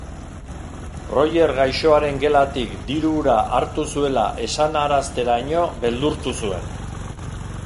Roger gaixoaren gelatik diru hura hartu zuela esanarazteraino beldurtu zuen.